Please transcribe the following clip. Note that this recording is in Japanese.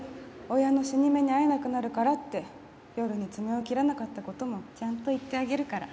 親の死に目に会えなくなるからって夜に爪を切らなかった事もちゃんと言ってあげるから。